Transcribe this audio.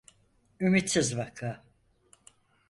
Ümitsiz vaka.